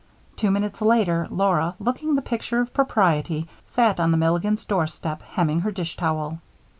Two minutes later, Laura, looking the picture of propriety, sat on the Milligans' doorstep hemming her dish towel.